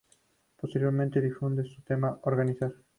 Posteriormente difunde su tema "Organizar".